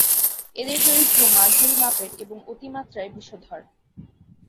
এদের দৈর্ঘ্য মাঝারি মাপের এবং অতিমাত্রায় বিষধর।